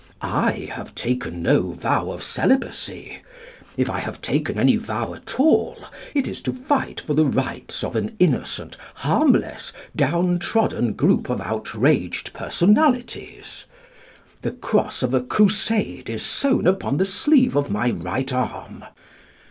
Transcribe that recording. I have taken no vow of celibacy. If I have taken any vow at all, it is to fight for the rights of an innocent, harmless, downtrodden group of outraged personalities. The cross of a Crusade is sewn upon the sleeve of my right arm.